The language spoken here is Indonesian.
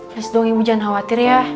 pas dong ibu jangan khawatir ya